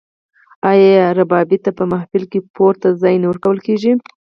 آیا ربابي ته په محفل کې پورته ځای نه ورکول کیږي؟